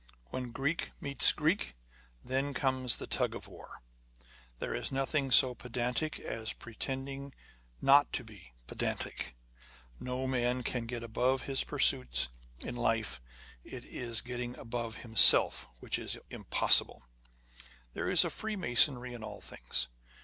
" When Greek meets Greek, then comes the tug of war." There is nothing so pedantic as pretending not to be pedantic. No man can get above his pursuit in life : it is getting above himself, which is impossible. 44 On the Conversation of Authors. There is a freemasonry in all things.